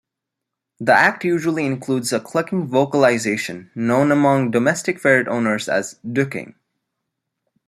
The act usually includes a clucking vocalization, known among domestic ferret owners as "dooking".